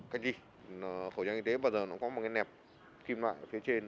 cách gì khẩu trang y tế bây giờ nó có một cái nẹp kim loại ở phía trên